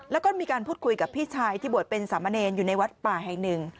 แล้วก็มีการพูดคุยกับพี่ชายที่บวชเป็นสามเณรอยู่ในวัดป่าแห่งหนึ่ง